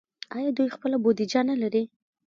آیا دوی خپله بودیجه نلري؟